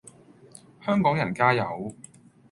香港人加油